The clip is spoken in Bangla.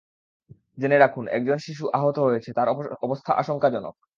জেনে রাখুন, একজন শিশু আহত হয়েছে, তার অবস্থা আশঙ্কাজনক।